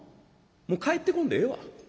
もう帰ってこんでええわ。